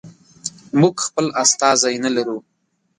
موږ خپل استازی نه لرو.